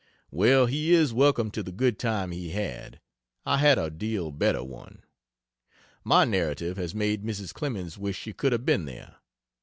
Well, he is welcome to the good time he had I had a deal better one. My narrative has made Mrs. Clemens wish she could have been there.